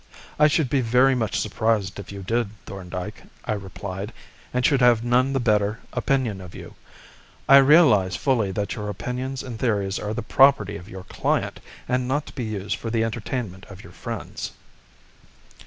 "I should be very much surprised if you did, Thorndyke," I replied, "and should have none the better opinion of you. I realise fully that your opinions and theories are the property of your client and not to be used for the entertainment of your friends."